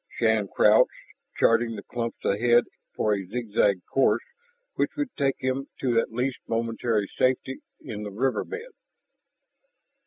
Shann crouched, charting the clumps ahead for a zigzag course which would take him to at least momentary safety in the river bed.